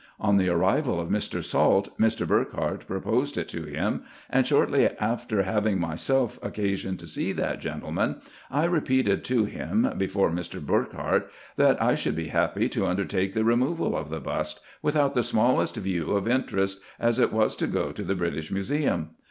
On the arrival of Mr. Salt, Mr. Burckhardt proposed it to him ; and shortly after having myself occasion to see that gentleman, I repeated to him, before Mr. Burck hardt, that I should be happy to undertake the removal of the bust, without the smallest view of interest, as it was to go to the British Museum.